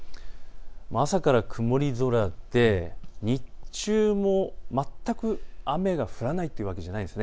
朝から曇り空で日中も全く雨が降らないというわけではないです。